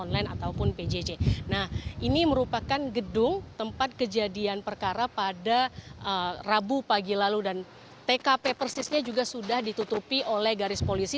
lantai persisnya juga sudah ditutupi oleh garis polisi